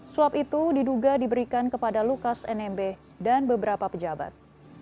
suap itu diduga diberikan kepada lukas nmb dan beberapa pejabat